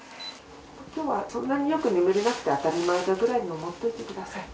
きょうはそんなによく眠れなくて当たり前だぐらいに思っておいてください。